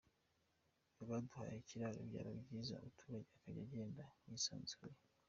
Baduhaye ikiraro byaba byiza umuturage akajya agenda yisanzuye.